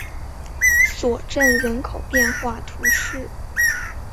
索镇人口变化图示